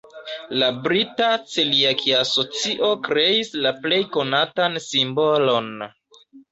La Brita celiaki-asocio kreis la plej konatan simbolon.